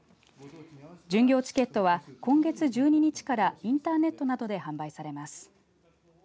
巡業チケットは今月１２日からインターネットなどで販売されます。